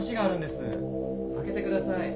開けてください。